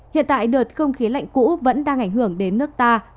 hiện tại đợt không khí lạnh cũ vẫn đang ảnh hưởng đến nước ta